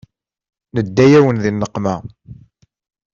Nedda-yawen di nneqma.